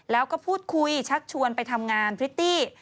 แล้วก็พูดคุยชักชวนไปทำงานพริตตี้